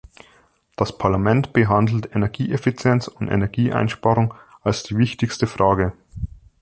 Das Parlament behandelt Energieeffizienz und Energieeinsparung als die wichtigste Frage.